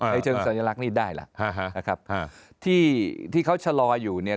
เชิงสัญลักษณ์นี้ได้แล้วนะครับที่เขาชะลออยู่เนี่ย